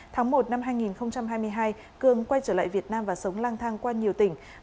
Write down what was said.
tháng một năm hai nghìn hai mươi hai cường quay trở lại việt nam và sống lang thang qua nhiều tỉnh